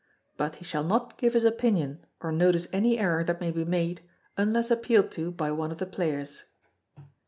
But he shall not give his opinion, or notice any error that may be made, unless appealed to by one of the players.